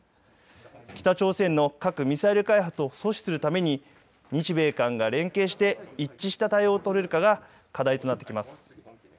北朝鮮の核・ミサイル開発を阻止するために日米韓が連携して一致した対応を取れるかが課題となってきます。